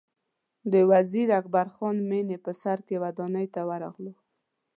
د وزیر اکبر خان مېنې په سر کې ودانۍ ته ورغلو.